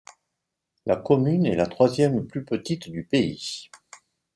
La commune est la troisième plus petite du pays.